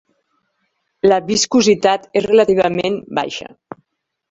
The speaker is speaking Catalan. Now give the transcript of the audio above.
La viscositat és relativament baixa.